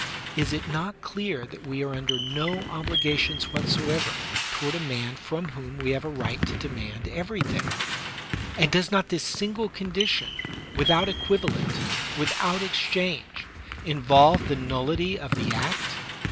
Is it not clear that we are under no obli gations whatsoever toward a man from whom we have a right to demand everything ? And does not this single condition, without equivalent, without exchange, involve the nullity of the act